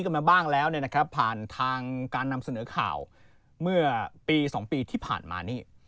มาบ้างแล้วเนี่ยนะครับผ่านทางการนำเสนอข่าวเมื่อปี๒ปีที่ผ่านมานี่